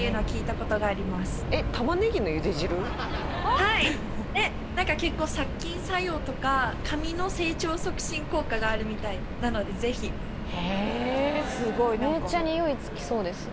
はい何か結構殺菌作用とか髪の成長促進効果があるみたいなのでぜひへえめっちゃにおいつきそうですね